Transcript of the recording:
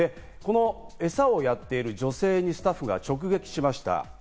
餌をやっている女性にスタッフが直撃しました。